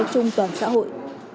chung toàn xã hội